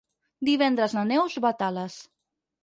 Divendres na Neus va a Tales.